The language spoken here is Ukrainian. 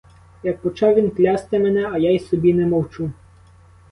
Як почав він клясти мене, а я й собі не мовчу.